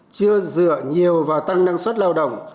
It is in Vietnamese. chưa dựa nhiều vào tăng năng suất lao động